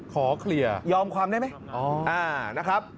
ขอเคลียร์ยอมความได้ไหมนะครับ